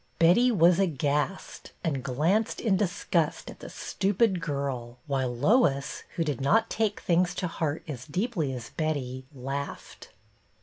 Betty was aghast, and glanced in disgust at the stupid girl, while Lois, who did not take things to heart as deeply as Betty, laughed.